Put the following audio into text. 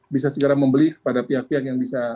bisa segera membeli kepada pihak pihak yang bisa